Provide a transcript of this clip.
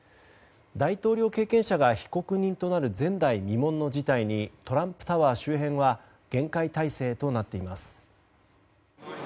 大統領経験者が被告人となる前代未聞の事態を前にトランプタワー周辺は厳戒態勢となっています。